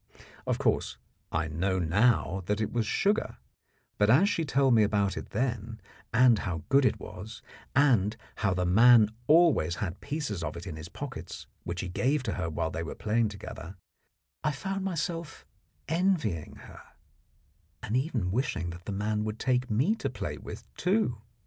Of course, I know now that it was sugar; but as she told me about it then, and how good it was, and how the man always had pieces of it in his pockets, which he gave her while they were playing together, I found myself envying her, and even wishing that the man would take me to play with, too.